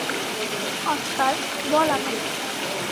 Oscar, বল আমাকে।